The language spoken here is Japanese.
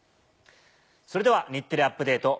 それでは『日テレアップＤａｔｅ！』